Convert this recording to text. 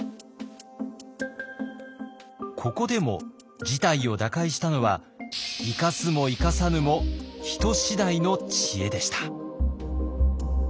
ここでも事態を打開したのは「生かすも生かさぬも人次第」の知恵でした。